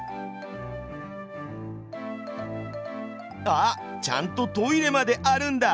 あっちゃんとトイレまであるんだ。